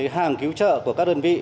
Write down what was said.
hàng cứu trợ của các đơn vị